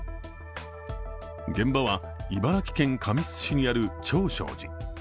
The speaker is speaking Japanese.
現場は茨城県神栖市にある長照寺。